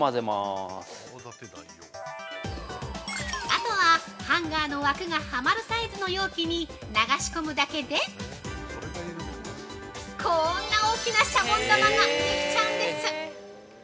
◆あとは、ハンガーの枠がはまるサイズの容器に流し込むだけでこーんな大きなシャボン玉ができちゃうんです。